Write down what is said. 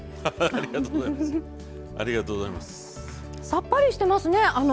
さっぱりしてますね。